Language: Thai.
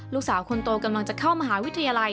ลูกสาวคนโตกำลังจะเข้ามหาวิทยาลัย